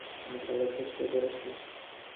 আমি খেলার চেষ্টা করেছি।